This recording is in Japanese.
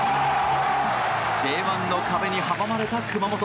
Ｊ１の壁に阻まれた熊本。